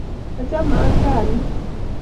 achame ankaa ni